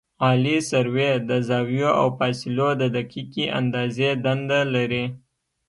عالي سروې د زاویو او فاصلو د دقیقې اندازې دنده لري